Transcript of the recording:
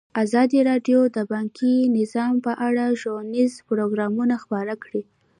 ازادي راډیو د بانکي نظام په اړه ښوونیز پروګرامونه خپاره کړي.